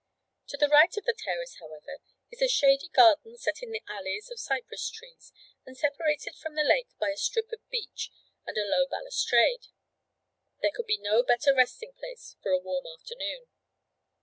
To the right of the terrace, however, is a shady garden set in alleys of cypress trees, and separated from the lake by a strip of beach and a low balustrade. There could be no better resting place for a warm afternoon.